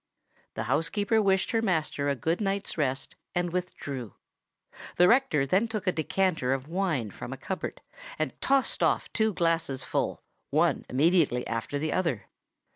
The housekeeper wished her master a good night's rest, and withdrew. The rector then took a decanter of wine from a cupboard, and tossed off two glasses full, one immediately after the other.